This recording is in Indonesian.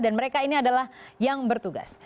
dan mereka ini adalah yang bertugas